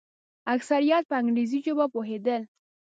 اکثریت په انګریزي ژبه پوهېدل.